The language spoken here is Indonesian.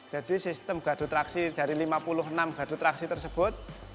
jadi sistem gardu traksi dari lima puluh enam gardu traksi tersebut